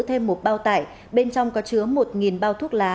thêm một bao tải bên trong có chứa một bao thuốc lá